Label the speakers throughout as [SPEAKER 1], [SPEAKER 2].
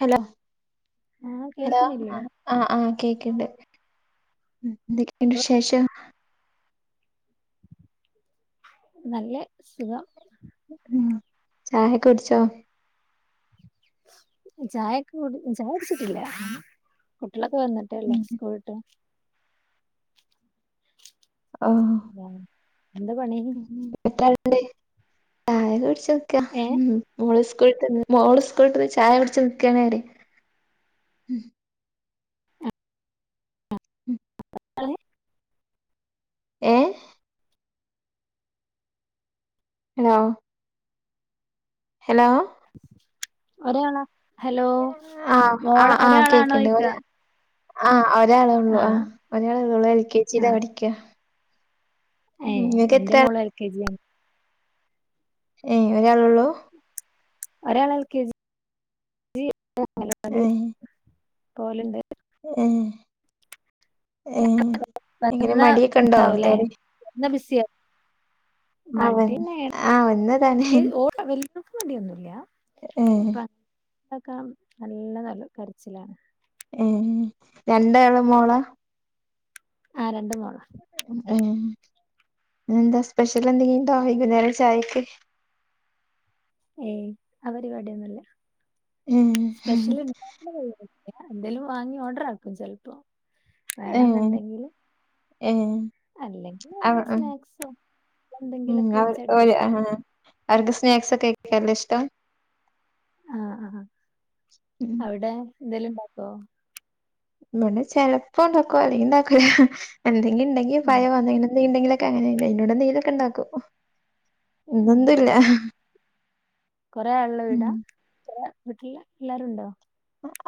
[SPEAKER 1] Hello
[SPEAKER 2] ആഹ്
[SPEAKER 1] ഹ
[SPEAKER 2] കേൾക്കണില്ലേ
[SPEAKER 1] ആഹ് ആഹ് കേക്കണ്ട് എന്തൊക്കെയുണ്ട് വിശേഷം?
[SPEAKER 2] നല്ല സുഖം
[SPEAKER 1] ഉം ചായ കുടിച്ചോ
[SPEAKER 2] ചായക്കെ ചായ കുടിച്ചിട്ടില്ല ട്ടികളിലൊക്കെ വന്നിട്ടല്ലോ സ്കൂളട്ട്
[SPEAKER 1] ആഹ
[SPEAKER 2] എന്താ പണി
[SPEAKER 1] എ ല്ല തായ കുടച്ച്ക്ക
[SPEAKER 2] ഏ
[SPEAKER 1] മോള മോള് സ്കൂൾട്ട ചായ കുടിച്ച നക്കണര്
[SPEAKER 2] [inaudible]
[SPEAKER 1] ഏഹ് ഹലോ ഹലോ
[SPEAKER 2] ഒരാള
[SPEAKER 1] ആഹ് ആഹ് ആഹ് കേക്കണ്ടേ
[SPEAKER 2] ചോയിക്ക
[SPEAKER 1] ആഹ് ഒരാള ഉള്ളു ആ
[SPEAKER 2] ആഹ്
[SPEAKER 1] ഒരാളെ ഉള്ളൂ എൽ കെ ജില്ലാ പഠിക്ക
[SPEAKER 2] ഏഹ് എന്റെ മോള് എൽ കെ ജിയ
[SPEAKER 1] ഏയ് ഒരാള ഉള്ളൂ
[SPEAKER 2] ഒരാളെൽ ക ജി മലപടി
[SPEAKER 1] ഏ
[SPEAKER 2] പോലെുണ്ട് [inaudible]
[SPEAKER 1] ഉ ഇങ്ങനെ മടിക്കെ ഉണ്ടോും അന്തവിടെ [inaudible] വന്ന്
[SPEAKER 2] മണ്ടിഓ
[SPEAKER 1] ആ വന്നതാണ്
[SPEAKER 2] [inaudible] ഓക്ക് മിയൊന്നുമല്ല
[SPEAKER 1] ഹ്
[SPEAKER 2] ഇതൊക്കെ നല്ല നല്ല കരച്ചിലാണ്
[SPEAKER 1] ഹ് രണ്ടള് മോള
[SPEAKER 2] ആ രണ്ട് മോള
[SPEAKER 1] ഉ എന്താ സ്പെഷ്യൽ എന്തെങ്കിലുംണ്ടോകുന്നേരം ചായക്ക്
[SPEAKER 2] ഏയ് അപരിപാടിയൊന്നല്ല
[SPEAKER 1] ഹ്
[SPEAKER 2] പരിപാടില്ല. എന്തേലും വാങ്ങി ഓർഡർ ആക്കും ചിലപ്പോ
[SPEAKER 1] ഏഹ്
[SPEAKER 2] വേണെന്നുണ്ടെങ്കില്
[SPEAKER 1] ഏഹ്
[SPEAKER 2] അല്ലെങ്കിൽ
[SPEAKER 1] അവ
[SPEAKER 2] എന്താ സ്നാക്സോ
[SPEAKER 1] ഉം
[SPEAKER 2] എന്തെങ്കിലൊക്കെ വെച്ച്
[SPEAKER 1] അവര്
[SPEAKER 2] അഡ്ജസ്റ്റ്
[SPEAKER 1] ആ അവർക്ക്സ്നാക്സ്ക്ക കഴിക്കന ഇഷ്ടം
[SPEAKER 2] ആഹ ആഹ
[SPEAKER 1] ഉം
[SPEAKER 2] അവിടെ എന്തേലും ഉണ്ടാക്കോ
[SPEAKER 1] ഇവിടെ ചെലപ്പോ ഉണ്ടാക്കുവ അല്ലെങ്കി ഉണ്ടാക്കല എന്തെങ്കില ഉണ്ടെങ്കിൽ
[SPEAKER 2] ആ
[SPEAKER 1] പയംന്നനെ എന്തെണ്ടെങ്കില അങ്ങനെയല്ല ന്റീലൊക്കെ ഉണ്ടാക്കും
[SPEAKER 2] ആ
[SPEAKER 1] ഇന്നൊന്നുംല്ല
[SPEAKER 2] കൊറേ ആളുള്ള
[SPEAKER 1] ഉ
[SPEAKER 2] വീടാ? കൊറേ വീട്ടില് എല്ലരുണ്ടോ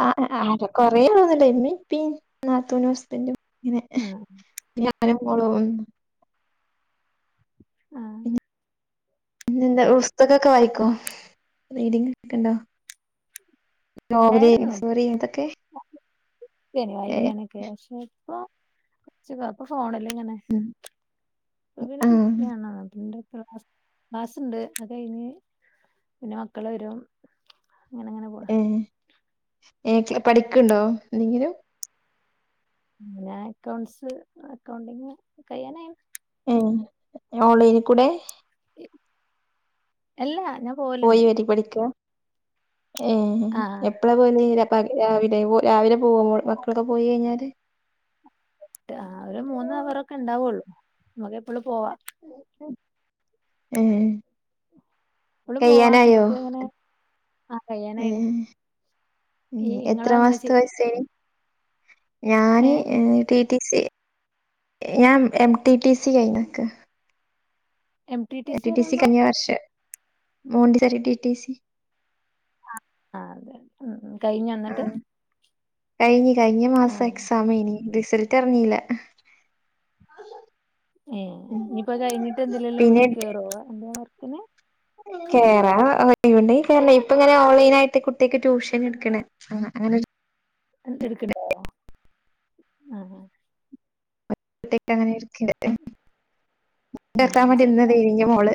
[SPEAKER 1] ആ ആ കൊറേ ഒന്നില്ല ഇമ്മേ ഉപ്പം നാത്തുനും ഹസ്ബൻറും ഇങ്ങനെ
[SPEAKER 2] ആ
[SPEAKER 1] ഇപിന്നെ ഞാനും മോളും
[SPEAKER 2] ആ
[SPEAKER 1] പിന്നെ എന്താ പുസ്തകൊക്കെ വായിക്കുവോ റീഡിങ്ങക്കണ്ടോ നോവല
[SPEAKER 2] ഉണ്ടായിരുന്നു
[SPEAKER 1] സോറി അതൊക്കെ ഏ
[SPEAKER 2] വായിക്കാനൊക്കെ പക്ഷെ ഇപ്പ കൊറച്ചതി ഫോണല്ലേ ആണ്. ഇപ്പോ പിന്നെ ബിസി
[SPEAKER 1] ആഹ്
[SPEAKER 2] ആണ് അതോണ്ട് ക്ലാസ്സ്ണ്ട് അത് കഴിഞ്ഞ് പിന്നെ മക്കൾ വരും അങ്ങനെ അങ്ങനെ പോണ്.
[SPEAKER 1] ഏ ഏ പഠിക്കണ്ടോ എന്തെങ്കിലും
[SPEAKER 2] ഞാൻ അക്കൗണ്ട്സ് അക്കൗണ്ടിങ് കയ്യാനായി
[SPEAKER 1] ഏ ഓൺലൈൻ കൂടെ
[SPEAKER 2] എല്ലാ
[SPEAKER 1] പോയി വരി പഠിക്ക ഏഹ്
[SPEAKER 2] ആ
[SPEAKER 1] എപ്പഴാ പോവൽ ര രാവിലെ രാവിലെ പോകുമ്പോ മക്കളൊക്കെ പോയി കഴിഞ്ഞാല്
[SPEAKER 2] ആ ഒരു മൂന്ന് അവർ ഒക്കെ ഉണ്ടാവുള്ളൂ നമുക്ക് എപ്പോളും പോവാ
[SPEAKER 1] ഏഹ്
[SPEAKER 2] ഇള് പോവാ നമ്മുക്ക് എങ്ങനെ ആ
[SPEAKER 1] ഏ
[SPEAKER 2] കയ്യാനായിണ്
[SPEAKER 1] എത്ര മാസതെ പൈസയി ഞാൻ
[SPEAKER 2] ഏ
[SPEAKER 1] ടി ടി സി ഞാൻ എം ടി ടി സി കഴിഞ്ഞ ക്ക്
[SPEAKER 2] M T T
[SPEAKER 1] TT C
[SPEAKER 2] പറയുമ്പോ
[SPEAKER 1] കയ്ഞ്ഞ വർഷം മോണ്ടി സോറി ടി ടി സി
[SPEAKER 2] ആ കഴിഞ്ഞോ ന്നിട്ട്
[SPEAKER 1] കഴിഞ് കഴിഞ്ഞ മാസം എക്സാമെയ്നി റിസൾട്ട് അറിഞ്ഞില്ല
[SPEAKER 2] ഏ ഇനിപ്പോ കഴിഞ്ഞിട്ട് എന്തെലിലും
[SPEAKER 1] കേറണം എ ഒയിവ്ണ്ടെങ്കിൽ കേറ ണം ഇപ്പ ഇങ്ങനെ ഓൺലൈൻ ആയിട്ട് കുട്ടിക്ക് ട്യൂഷൻ എടുക്കണേ അങ്ങനെ
[SPEAKER 2] ഇടക്ക്ണ്ടാ ആ ആ ആഹ്
[SPEAKER 1] [unintelligible]
[SPEAKER 2] ആ ചെറുതാ.
[SPEAKER 1] മോള്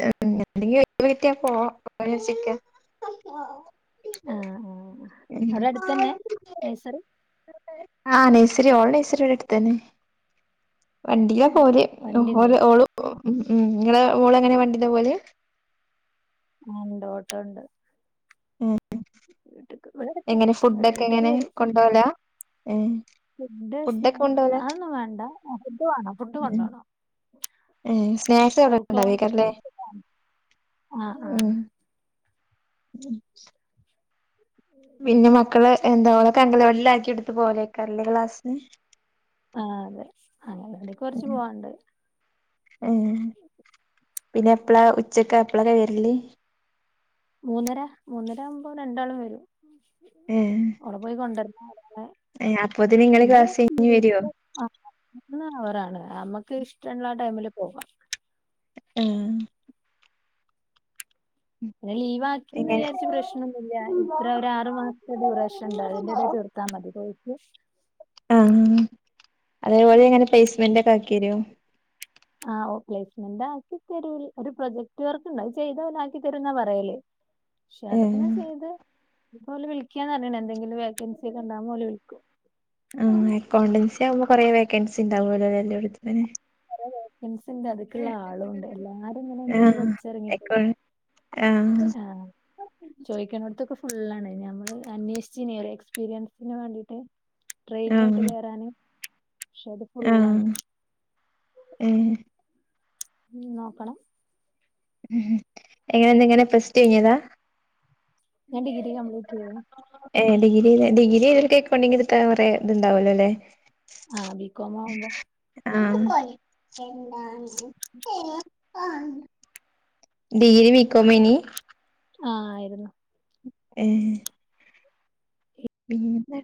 [SPEAKER 1] [unintelligible] ച്ചോയ്ക്ക
[SPEAKER 2] ആ ആ അവിടെ അടുത്ത് തന്നെ നേഴ്സറി
[SPEAKER 1] ആഹ നെയ്സറി ഓള നെയ്സറി ഇബടെ അടുത്തന്നെ വണ്ടിയില
[SPEAKER 2] ഉം. വണ്ടി ഉണ്ട്
[SPEAKER 1] പോരഓര് ഓള ഉം ഉം നിങ്ങള മോള എങ്ങനെ വണ്ടിയില പോവൽ
[SPEAKER 2] ആഹ് ഉണ്ട് ഓട്ടോ ഉണ്ട്
[SPEAKER 1] ഉം
[SPEAKER 2] വീട്ടിക്ക് ഇവിടെ അടുത്താ.
[SPEAKER 1] എങ്ങനെ ഫുഡക്കെ
[SPEAKER 2] വീട്ടിക്ക്
[SPEAKER 1] എങ്ങനെ
[SPEAKER 2] വരും
[SPEAKER 1] കൊണ്ടവല
[SPEAKER 2] ഫുഡ് സ്നാക്സ് അതൊന്നും വേണ്ട ഫുഡ് വാണം ഫുഡ് കൊണ്ടണം
[SPEAKER 1] ഉം സ്നാക്സ് എവിടെക്ക ഉണ്ടാവെക്കാറല്ലേ
[SPEAKER 2] ആ ആ
[SPEAKER 1] ഉം പിന്നെ മക്കള് എന്താ ഓലൊക്കെ അങ്കലവാടിൽ ആക്കി കൊടുത്ത് പോവലാക്കാരം ലെ ക്ലാസ്സിന്
[SPEAKER 2] ആ അതെ അങ്ങനെണ്ട കുറച്ച്പോവാണ്ട്
[SPEAKER 1] ഉം പിന്നെ എപ്പളാ ഉച്ചക്കെ എപ്പളൊക്കെ വരല്
[SPEAKER 2] മൂന്നര മൂന്നര ആവുമ്പോ രണ്ടാളും വരും
[SPEAKER 1] ഏഹ്
[SPEAKER 2] അവിടെ പോയി കൊണ്ടരണം അങ്ങനെ [unintelligible]
[SPEAKER 1] ഏഹ് അപ്പോത്തിന് ഇങ്ങള്
[SPEAKER 2] എന്റെ
[SPEAKER 1] ക്ലാസ് കഴിഞ്ഞ് വരോ
[SPEAKER 2] അവരാണ് നമ്മുക്ക് ഇഷ്ടള്ള ആ ടൈമില് പോവ
[SPEAKER 1] ഉം
[SPEAKER 2] പിന്നെ ലീവാക്കിന്ന്
[SPEAKER 1] എങ്ങനെ
[SPEAKER 2] വിചാരിച്ച് പ്രശ്നംന്നുല്ല ഇത്ര ഒരു ആറു മാസത്തെ ഡ്യൂറേഷൻ ഉണ്ട് അതിന്റെ ഇട താ മതി പോയിട്ട്
[SPEAKER 1] ആ അതേപോലെ എങ്ങനെ പ്ലേസ്മെന്റ് ഒക്കെ ആക്കിയെരോ
[SPEAKER 2] ആഹ് ഓ പ്ലേസ്മെന്റ് ആക്കി തരൂ ഒരു പ്രൊജക്ട് വർക്ക് ഉണ്ട് അത് ചെയ്ത ഓൽ ആക്കി തരൂന്ന പറയല് പക്ഷെ
[SPEAKER 1] ഏഹ്
[SPEAKER 2] അതൊക്കെന്നാ ചെയ്ത് ഇതുപോലെ വിളിക്കന്ന് അറി എന്തെങ്കില വേക്കൻസി ഒക്കെണ്ടാവുമ്പോ ഓൽ വിളിക്കും
[SPEAKER 1] ആ അക്കൗണ്ടൻസി ആകുമ്പോ കൊറെേ വേക്കൻസി ഉണ്ടാവുല്ലോല്ലെ എല്ലോടത്തെ
[SPEAKER 2] വെക്കാൻസിണ്ട് അതക്ക്ള്ള ആളും ഉണ്ട് എല്ലാരും ഇങ്ങനെ എന്തേലും
[SPEAKER 1] ആഹ്
[SPEAKER 2] പഠിച്ച ഇറങ്ങിപ്പോ
[SPEAKER 1] അക്കൗ ആഹ്
[SPEAKER 2] ആഹ ചോയിക്കനോട്‌ത്തൊക്കെ ഫുള്ളാണ് നമ്മള് അന്വേഷിച് ട്രെയിനി ആയിട്ട്
[SPEAKER 1] ആഹ്
[SPEAKER 2] കേറാന് പക്ഷെ അത്
[SPEAKER 1] ആഹ്
[SPEAKER 2] ഫുള്ളാണ്
[SPEAKER 1] ഏഹ്
[SPEAKER 2] ഉം നോക്കണം
[SPEAKER 1] ഉം എങ്ങനെ എങ്ങനെ ഫസ്റ്റ് കഴിഞ്ഞതാ
[SPEAKER 2] ഞാൻ ഡിഗ്രി കംപ്ലീറ്റ് ചെയ്‌യാ.
[SPEAKER 1] ഏ ഡിഗ്രി ഡിഗ്രിതിവൽ എ കേഡിങ് ഇടതാ വോറേ ഇത് ഉണ്ടാവല്ലോ ല്ലേ?
[SPEAKER 2] ആഹ് ബികോം ആവുമ്പോ.
[SPEAKER 1] അഹ് [inaudible] ഡിഗ്രി ബീക്കോമേനീ?
[SPEAKER 2] ആഹ ആയിരുന്നു.
[SPEAKER 1] ഏ പിന്നെ